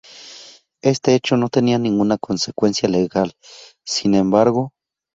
Este hecho, no tenía ninguna consecuencia legal, sin embargo.